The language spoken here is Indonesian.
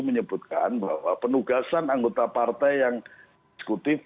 menyebutkan bahwa penugasan anggota partai yang eksekutif